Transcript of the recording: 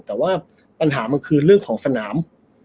แต่ว่าปัญหามันคือเรื่องของสนาม